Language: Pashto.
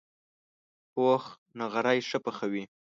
پوخ نغری ښه پخوي